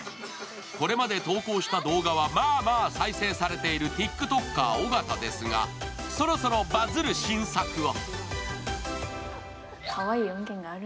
これまで投稿した動画はまあまあ再生されているＴｉｋＴｏｋｅｒ・尾形ですがそろそろバズる新作を。